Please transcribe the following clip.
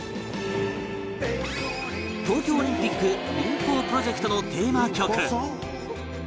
東京オリンピック民放プロジェクトのテーマ曲